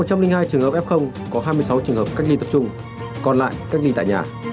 trong một trăm linh hai trường hợp f có hai mươi sáu trường hợp cách ly tập trung còn lại cách ly tại nhà